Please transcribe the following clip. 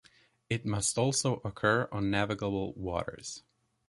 It must also occur on navigable waters.